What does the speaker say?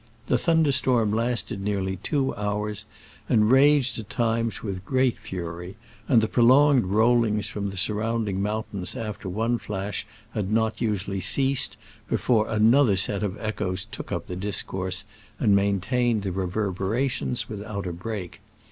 The thunderstorm lasted near ly two hours, and raged at times with great fury ; and the prolonged rollings from the surrounding mountains after one flash had not usually ceased before another set of echoes took up the dis course, and maintained the reverbera tions without a break.